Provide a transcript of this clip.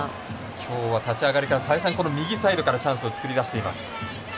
今日は立ち上がりから再三、右サイドからチャンスを作りだしています。